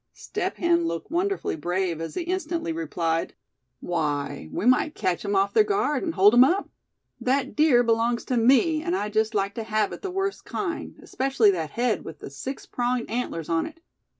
Step Hen looked wonderfully brave as he instantly replied: "Why, we might catch 'em off their guard, and hold 'em up. That deer belongs to me, and I'd just like to have it the worst kind, especially that head, with the six pronged antlers on it.